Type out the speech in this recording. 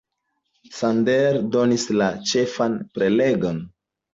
Sanders donis la ĉefan prelegon.